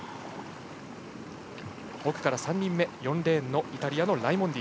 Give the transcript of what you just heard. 奥から３人目、４レーンのイタリアのライモンディ。